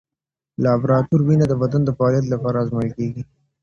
لابراتوار وینه د بدن د فعالیت لپاره ازمویل کېږي.